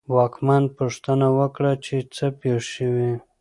واکمن پوښتنه وکړه چې څه پېښ شوي.